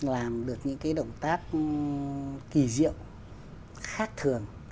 làm được những cái động tác kỳ diệu khác thường